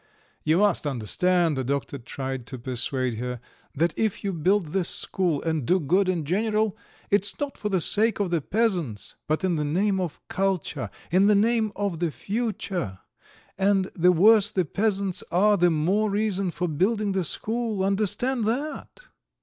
"You must understand," the doctor tried to persuade her, "that if you build this school and do good in general, it's not for the sake of the peasants, but in the name of culture, in the name of the future; and the worse the peasants are the more reason for building the school. Understand that!"